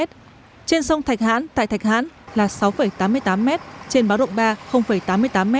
trên sông thạch hãn tại thạch hãn là sáu tám mươi tám m trên báo động ba tám mươi tám m